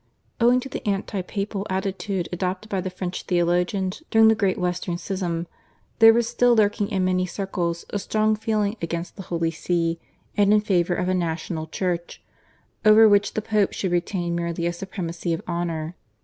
Owing to the anti papal attitude adopted by the French theologians during the Great Western Schism, there was still lurking in many circles a strong feeling against the Holy See and in favour of a national Church, over which the Pope should retain merely a supremacy of honour.